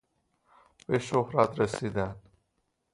به شهرت رسیدن